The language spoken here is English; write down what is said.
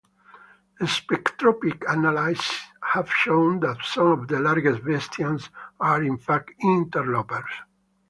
Spectroscopic analyses have shown that some of the largest Vestians are in fact interlopers.